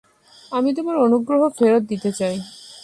আমি তোমার অনুগ্রহ ফেরত দিতে চাই।